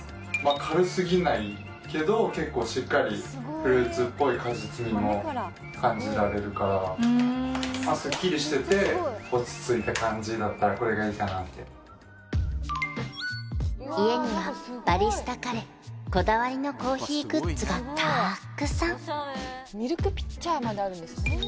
軽すぎないけど結構しっかりフルーツっぽい果実味も感じられるからすっきりしてて落ち着いた感じだったらこれがいいかなって家にはバリスタ彼こだわりのコーヒーグッズがたくさんミルクピッチャーまであるんですね